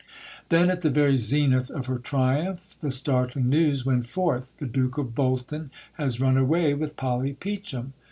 Then, at the very zenith of her triumph, the startling news went forth "The Duke of Bolton has run away with Polly Peachum."